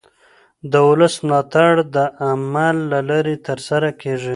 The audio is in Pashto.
د ولس ملاتړ د عمل له لارې ترلاسه کېږي